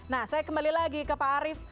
nah saya kembali lagi ke pak arief